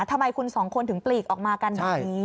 ทำไมคุณสองคนถึงปลีกออกมากันแบบนี้